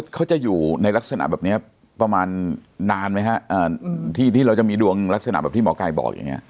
เขาจะอยู่ในลักษณะแบบนี้ประมาณนานไหมฮะที่เราจะมีดวงลักษณะแบบที่หมอไก่บอกอย่างนี้